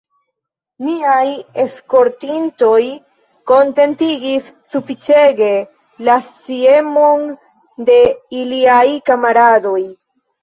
Niaj eskortintoj kontentigis sufiĉege la sciemon de iliaj kamaradoj.